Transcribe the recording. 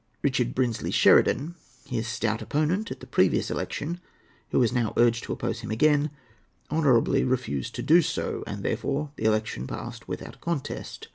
Richard Brinsley Sheridan, his stout opponent at the previous election, who was now urged to oppose him again, honourably refused to do so; and therefore the election passed without a contest.